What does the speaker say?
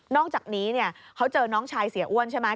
อกจากนี้เขาเจอน้องชายเสียอ้วนใช่ไหม